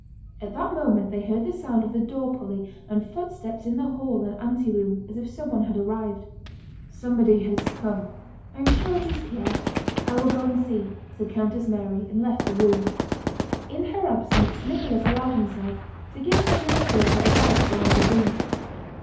At that moment they heard the sound of the door pulley and footsteps in the hall and anteroom, as if someone had arrived. "Somebody has come." "I am sure it is Pierre. I will go and see," said Countess Mary and left the room. In her absence Nicholas allowed himself to give his little daughter a gallop round the room.